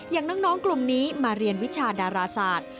อย่างน้องกลุ่มนี้มาเรียนวิชาดาราศาสตร์